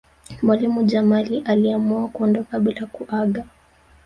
mwalimu jamali aliamua kuondoka bila kuaga